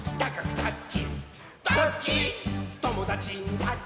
「タッチ！」